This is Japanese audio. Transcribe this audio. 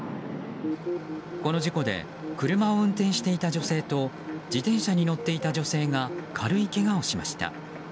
この事故で車を運転していた女性と自転車に乗っていた女性が軽いけがをしました。